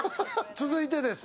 続いてです